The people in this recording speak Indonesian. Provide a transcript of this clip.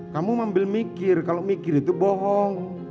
kamu ambil mikir kalau mikir itu bohong